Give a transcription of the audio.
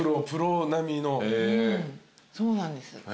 そうなんです。